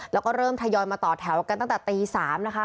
แล้วก็เริ่มทยอยมาต่อแถวกันตั้งแต่ตี๓นะคะ